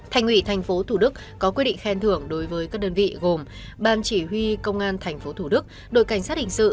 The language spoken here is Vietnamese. thành ủy tp thủ đức có quyết định khen thưởng đối với các đơn vị gồm ban chỉ huy công an tp thủ đức đội cảnh sát hình sự